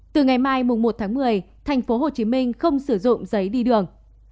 từ ngày mai một tháng một mươi tp hcm không sử dụng giấy đi đường